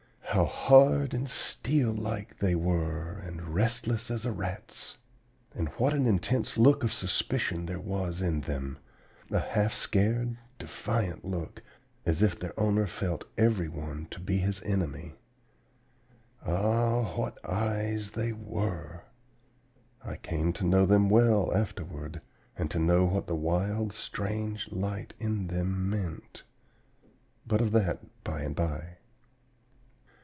How hard and steel like they were, and restless as a rat's! And what an intense look of suspicion there was in them; a half scared, defiant look, as if their owner felt every one to be his enemy. Ah, what eyes they were! I came to know them well afterward, and to know what the wild, strange light in them meant; but of that by and by.